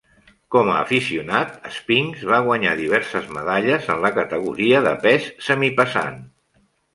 Com a aficionat, Spinks va guanyar diverses medalles en la categoria de pes semipesant.